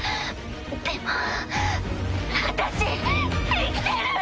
でも私生きてる！